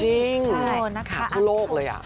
จริงขาดทุกโลกเลยอ่ะ